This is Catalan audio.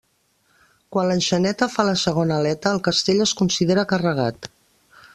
Quan l'enxaneta fa la segona aleta el castell es considera carregat.